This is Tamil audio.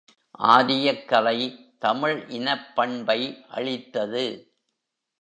ஆரியக்கலை தமிழ் இனப்பண்பை அழித்தது.